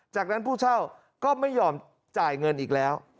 จากนั้นผู้เช่าก็ไม่ยอมจ่ายเงินอีกแล้ว